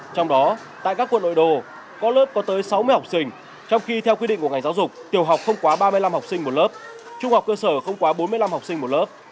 trong đó tại các quận nội đô có lớp có tới sáu mươi học sinh trong khi theo quy định của ngành giáo dục tiểu học không quá ba mươi năm học sinh một lớp trung học cơ sở không quá bốn mươi năm học sinh một lớp